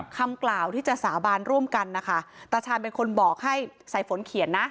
คำกล่าวที่จะสาบานร่วมกันนะคะตาชาญเป็นคนบอกให้สายฝนเขียนนะ